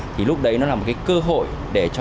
thì lúc đấy nó là một cái cơ hội để cho